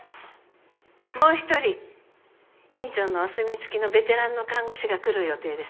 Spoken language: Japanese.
もう一人院長のお墨付きのベテランの看護師が来る予定です。